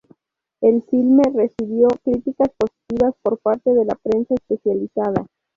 El filme recibió críticas positivas por parte de la prensa especializada.